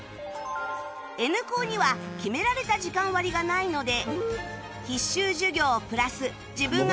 Ｎ 高には決められた時間割がないので